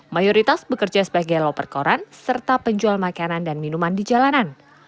mayoritas bekerja sebagai loper koran serta penjual makanan dan minuman di jalanan